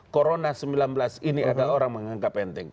corona sembilan belas ini ada orang menganggap enteng